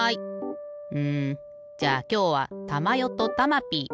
うんじゃあきょうはたまよとたまピー。